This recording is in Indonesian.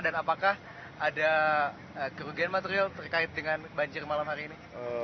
dan apakah ada kerugian material terkait dengan banjir malam hari ini